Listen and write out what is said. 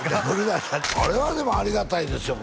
あれはでもありがたいですよ